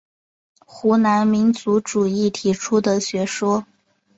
湖南民族主义提出的学说。